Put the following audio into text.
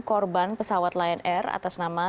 korban pesawat lion air atas nama